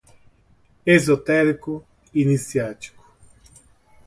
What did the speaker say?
Esotérico, iniciático